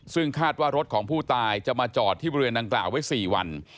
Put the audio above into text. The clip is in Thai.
ซึ่งคาดว่ารถของผู้ตายจะมาจอดที่บริเวณดังกล่าวไว้๔วัน